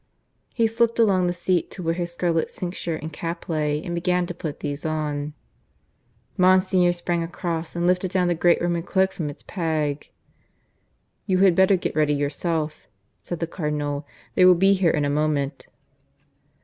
He slipped along the seat to where his scarlet cincture and cap lay, and began to put these on. Monsignor sprang across and lifted down the great Roman cloak from its peg. "You had better get ready yourself," said the Cardinal. "They will be here in a moment."